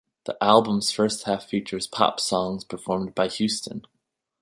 The album's first half features pop songs performed by Houston.